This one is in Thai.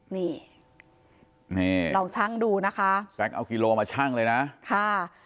นี่นี่ลองชั่งดูนะคะแซ็กเอากิโลมาชั่งเลยนะค่ะ